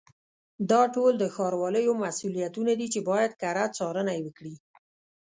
دا ټول د ښاروالیو مسؤلیتونه دي چې باید کره څارنه یې وکړي.